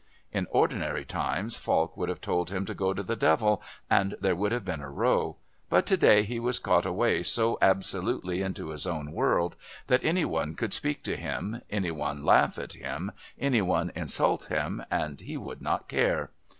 In ordinary times Falk would have told him to go to the devil, and there would have been a row, but to day he was caught away so absolutely into his own world that any one could speak to him, any one laugh at him, any one insult him, and he would not care.